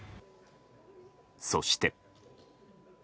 そして。